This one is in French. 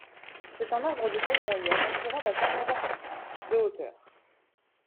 C'est un arbre de taille moyenne pouvant atteindre de hauteur.